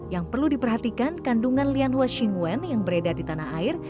yang perlu diperhatikan kandungan lian hua shing wen yang beredar di tanah air